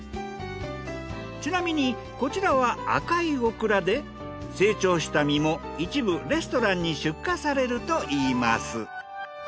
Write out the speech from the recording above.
ちなみにこちらは赤いオクラで成長した実も一部レストランに出荷されるといいます。